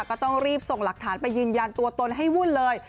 ก็ต้องรีบส่งหลักฐานไปยืนยันตัวตนให้วุ่นเลย